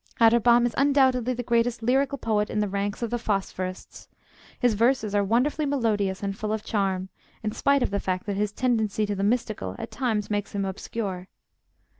Atterbom is undoubtedly the greatest lyrical poet in the ranks of the Phosphorists. His verses are wonderfully melodious and full of charm, in spite of the fact that his tendency to the mystical at times makes him obscure.